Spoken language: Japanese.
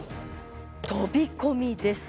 飛び込みです。